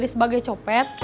diri sebagai copet